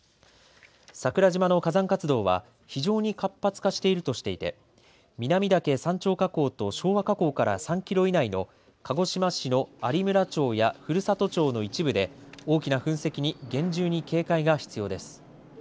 桜島の火山活動は非常に活発化しているとしていて南岳山頂火口と昭和火口から３キロ以内の鹿児島市の有村町や古里町の一部で大きな噴石に厳重に警戒が必要です。